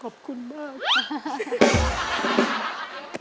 ขอบคุณมาก